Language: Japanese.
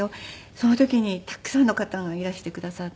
その時にたくさんの方がいらしてくださって。